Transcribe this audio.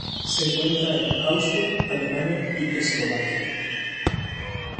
Se encuentra en Austria, Alemania y Eslovaquia.